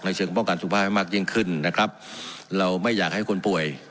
เชิงป้องกันสุขภาพให้มากยิ่งขึ้นนะครับเราไม่อยากให้คนป่วย